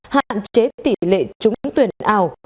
hạn chế tỷ lệ trúng tuyển ảo